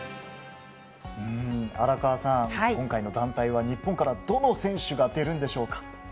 荒川さん、今回の団体は日本からどの選手が出るんでしょうか。